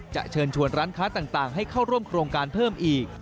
เชิญชวนร้านค้าต่างให้เข้าร่วมโครงการเพิ่มอีก